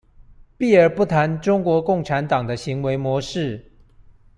避而不談中國共產黨的行為模式